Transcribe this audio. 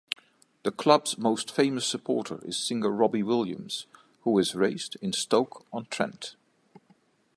The club's most famous supporter is singer Robbie Williams, who was raised in Stoke-on-Trent.